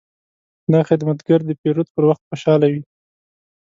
دا خدمتګر د پیرود پر وخت خوشحاله وي.